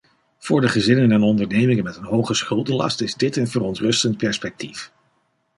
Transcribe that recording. Voor de gezinnen en ondernemingen met een hoge schuldenlast is dit een verontrustend perspectief.